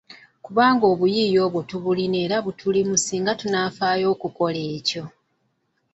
Kubanga obuyiiya obwo tubulina era butulimu singa tunaafaayo okukola ekyo.